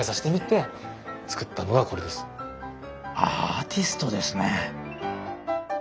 アーティストですね。